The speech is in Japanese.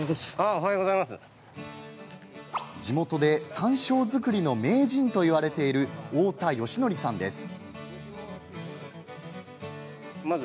地元で、山椒作りの名人といわれている太田良徳さんです。